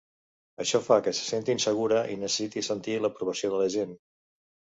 Això fa que se senti insegura i necessiti sentir l’aprovació de la gent.